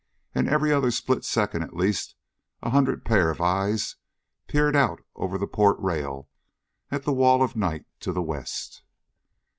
And every other split second at least a hundred pair of eyes peered out over the port rail at the wall of night to the west.